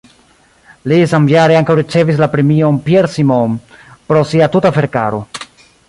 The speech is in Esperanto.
Li samjare ankaŭ ricevis la premion "Pierre Simon" pro sia tuta verkaro.